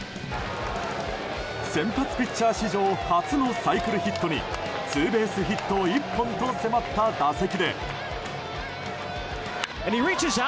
先発ピッチャー史上初のサイクルヒットにツーベースヒット１本と迫った打席で。